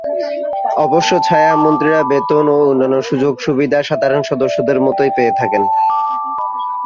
অবশ্য, ছায়া মন্ত্রীরা বেতন ও অন্যান্য সুযোগ সুবিধা সাধারণ সদস্যদের মতই পেয়ে থাকেন।